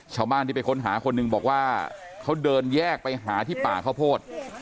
ชาวบ้านที่ไปค้นหาคนหนึ่งบอกว่าเขาเดินแยกไปหาที่ป่าข้าวโพด